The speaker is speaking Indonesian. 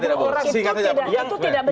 itu tidak benar